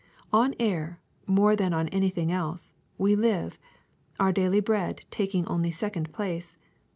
On air, more than on anything else, we live, our daily bread taking only second place.